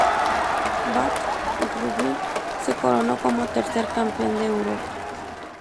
Bath Rugby se coronó como tercer Campeón de Europa.